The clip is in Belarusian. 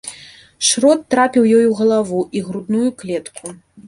Шрот трапіў ёй у галаву і грудную клетку.